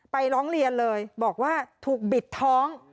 ร้องเรียนเลยบอกว่าถูกบิดท้อง